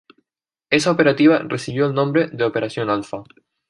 Esa operativa recibió el nombre de "Operación Alfa".